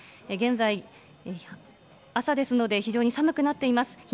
現在、朝ですので、非常に寒くなっています。